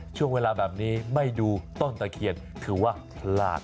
ช่วงเวลาแบบนี้ไม่ดูต้นตะเคียนถือว่าพลาด